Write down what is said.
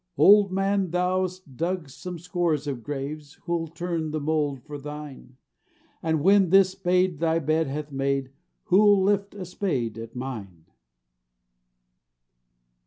Old man, thou'st dug some scores of graves, Who'll turn the mould for thine? And when this spade thy bed hath made, Who'll lift a spade at mine?